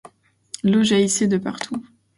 L'eau jaillissait de partout